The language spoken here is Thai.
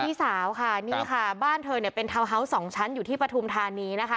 พี่สาวค่ะนี่ค่ะบ้านเธอเนี่ยเป็นทาวน์เฮาส์สองชั้นอยู่ที่ปฐุมธานีนะคะ